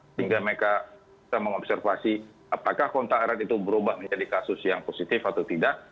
sehingga mereka bisa mengobservasi apakah kontak erat itu berubah menjadi kasus yang positif atau tidak